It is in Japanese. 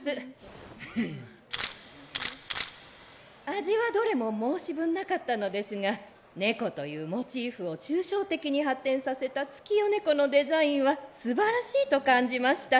味はどれも申し分なかったのですが猫というモチーフを抽象的に発展させた月夜猫のデザインはすばらしいと感じました。